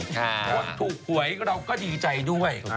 คนถูกหวยเราก็ดีใจด้วย